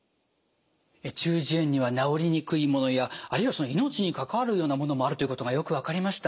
中耳炎には治りにくいものやあるいは命に関わるようなものもあるということがよく分かりました。